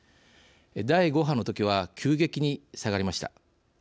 第５波のときは急激に下がりました。